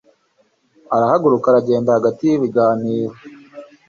arahaguruka aragenda hagati y'ibiganiro